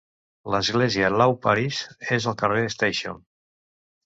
L'església Law Parish és al carrer Station.